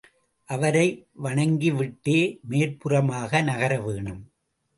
அவரை வணங்கிவிட்டே மேற்புறமாக நகரவேணும்.